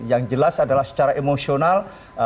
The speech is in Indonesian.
yang jelas adalah secara emosional